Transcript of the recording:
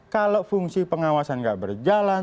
kalau fungsi pengawasan nggak berjalan